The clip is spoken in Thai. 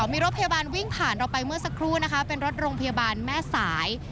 มีรถพยาบาลวิ่งผ่านเราไปเมื่อสักครู่นะคะเป็นรถโรงพยาบาลแม่สาย